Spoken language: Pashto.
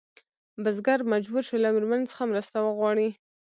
بزګر مجبور شو له مېرمنې څخه مرسته وغواړي.